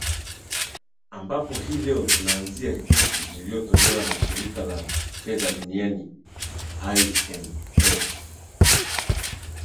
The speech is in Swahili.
ambapo hii leo tunaanzia ripoti iliyotolewa na shirika la fedha duniani imf